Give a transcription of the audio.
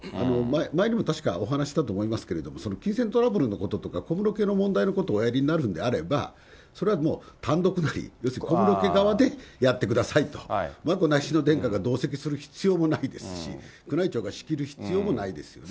前にも確かお話ししたと思いますけれども、その金銭トラブルのこととか小室家の問題のことをおやりになるんであれば、それはもう単独なり、要するに小室家側でやってくださいと、眞子内親王殿下が同席する必要もないですし、宮内庁が仕切る必要もないですよね。